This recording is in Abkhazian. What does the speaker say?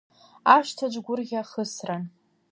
Ашҭаҿ гәырӷьа хысран.